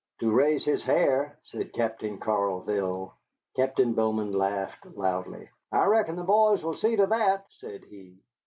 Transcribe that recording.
"To raise his hair," said Captain Charleville. Captain Bowman laughed loudly. "I reckon the boys will see to that," said he.